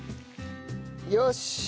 よし！